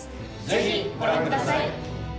ぜひご覧ください。